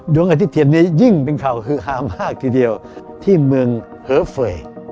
อาทิตย์เทียนนี้ยิ่งเป็นข่าวฮือฮามากทีเดียวที่เมืองเฮอเฟย์